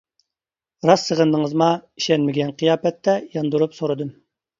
-راست سېغىندىڭىزما؟ -ئىشەنمىگەن قىياپەتتە ياندۇرۇپ سورىدىم.